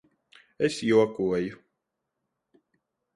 Es jokoju.